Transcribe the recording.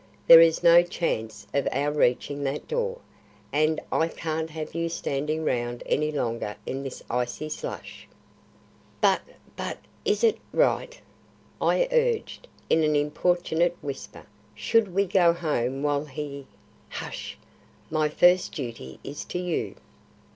There is no chance of our reaching that door, and I can't have you standing round any longer in this icy slush." "But but is it right?" I urged, in an importunate whisper. "Should we go home while he " "Hush! My first duty is to you.